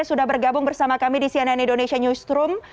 sudah bergabung bersama kami di cnn indonesia newsroom